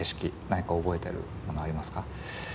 何か覚えてるものありますか？